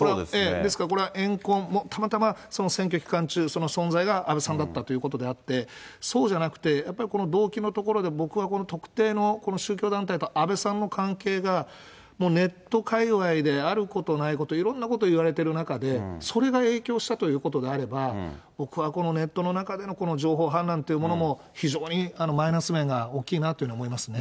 ですからこれは怨恨、たまたまその選挙期間中、その存在が安倍さんだったということであって、そうじゃなくて、やっぱりこの動機のところで僕は特定の宗教団体と安倍さんの関係が、もうネット界わいで、あることないこと、いろんなことをいわれている中で、それが影響したということであれば、僕はこのネットの中での情報氾濫というものも、非常にマイナス面が大きいなというふうに思いますね。